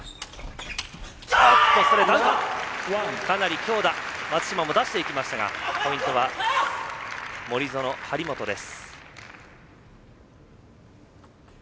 かなり強打松島も出していきましたがポイントは森薗、張本です。